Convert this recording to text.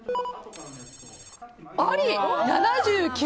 あり、７９％。